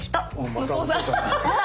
またお父さんだ。